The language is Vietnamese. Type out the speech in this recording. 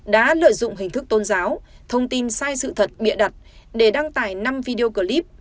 đã lợi dụng hình thức tôn giáo thông tin sai sự thật bịa đặt để đăng tải năm video clip